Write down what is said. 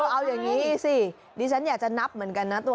เอาอย่างนี้สิดิฉันอยากจะนับเหมือนกันนะ